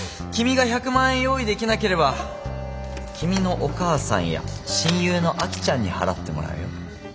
君が１００万円用意できなければ君のお母さんや親友の亜紀ちゃんに払ってもらうよ？